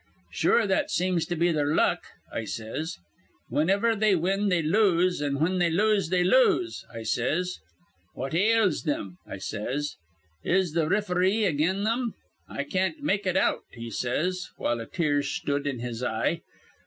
'Sure that seems to be their luck,' I says. 'Whin iver they win, they lose; an', whin they lose, they lose,' I says. 'What ails thim?' I says. 'Is th' riferee again thim?' 'I can't make it out,' he says, while a tear sthud in his eye.